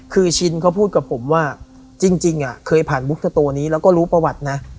คือชินเขาพูดกับผมว่าจริงเคยผ่านบุ๊กสโตนี้แล้วก็รู้ประวัตินะ